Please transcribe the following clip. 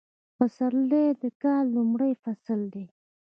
پسرلی د کال لومړی فصل دی